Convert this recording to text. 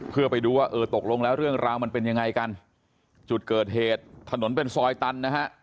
เพื่อไปดูว่าเออตกลงแล้วเรื่องราวมันเป็นยังไงกันจุดเกิดเหตุถนนเป็นซอยตันนะฮะ